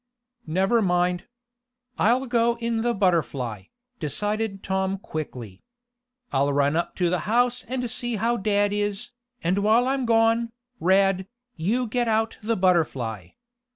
"Never mind. I'll go in the Butterfly," decided Tom quickly. "I'll run up to the house and see how dad is, and while I'm gone, Rad, you get out the Butterfly.